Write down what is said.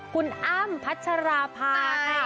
คุณอัมพัชราพากค่ะ